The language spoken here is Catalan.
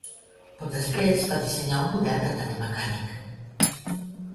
Poc després, va dissenyar un model de teler mecànic.